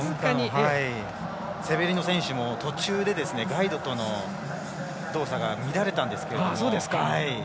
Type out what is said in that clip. セベリノ選手も途中でガイドとの動作が乱れたんですけど。